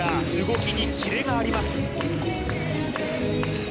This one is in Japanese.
動きにキレがあります